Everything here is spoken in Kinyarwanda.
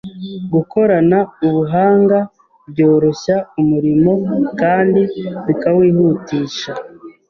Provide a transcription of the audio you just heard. Gukorana ubuhanga byoroshya umurimo kandi bikawihutisha